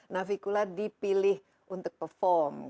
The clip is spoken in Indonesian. navikula dipilih untuk perform